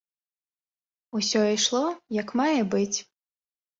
Усё ішло як мае быць.